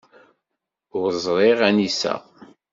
Ur ẓriɣ anisa.